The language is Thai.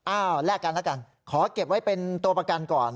อ้าวแลกกันขอเก็บไว้เป็นตัวประกันก่อน